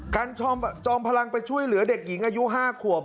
จอมพลังไปช่วยเหลือเด็กหญิงอายุ๕ขวบ